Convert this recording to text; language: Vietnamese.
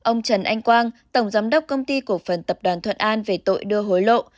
ông trần anh quang tổng giám đốc công ty cổ phần tập đoàn thuận an về tội đưa hối lộ